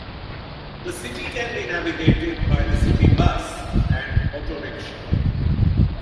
The city can be navigated by the city bus and auto rickshaw.